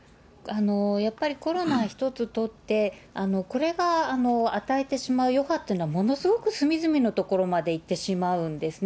やっぱりコロナ一つとって、これが与えてしまう余波っていうのは、ものすごく隅々のところまでいってしまうんですね。